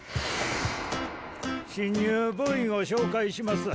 新入部員を紹介します。